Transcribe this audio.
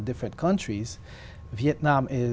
xin chào tôi là hien